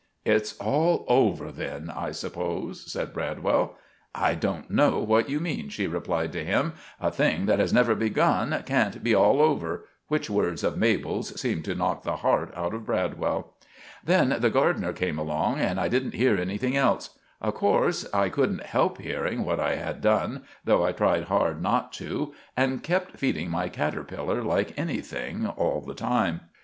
"It's all over then, I suppose," said Bradwell. "I don't know what you mean," she replied to him. "A thing that has never begun can't be all over"; which words of Mabel's seemed to knock the heart out of Bradwell. Then the gardener came along, and I didn't hear anything else. Of corse, I couldn't help hearing what I had done, though I tried hard not to, and kept feeding my catterpeller like anything all the time.